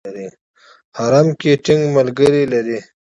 حرم کې ټینګ ملګري لري.